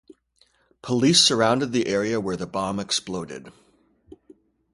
Police surrounded the area where the bomb exploded.